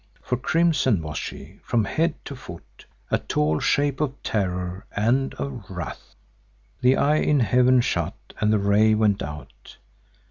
For crimson was she from head to foot; a tall shape of terror and of wrath. The eye in heaven shut and the ray went out.